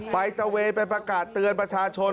ไปรจาเวทไปปรากฏเตือนประชาชน